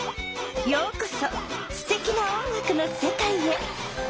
ようこそすてきな音楽のせかいへ！